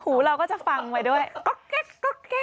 หูเราก็จะฟังไปด้วยพี่หนุ่มกินเดี๋ยวนี้กินวันละสองแล้วเหรอ